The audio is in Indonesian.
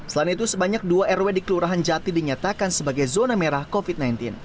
selain itu sebanyak dua rw di kelurahan jati dinyatakan sebagai zona merah covid sembilan belas